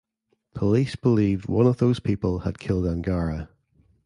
Police believed one of those people had killed Angara.